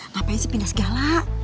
ngapain sih pindah segala